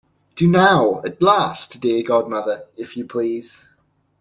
Do now, at last, dear godmother, if you please!